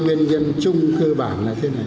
nguyên nhân bao trùm lên tất cả có ba nguyên nhân